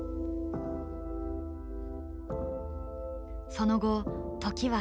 その後時は流れ